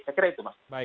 saya kira itu mas